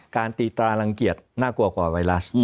การตีตรารังเกียจน่ากลัวกว่าไวรัส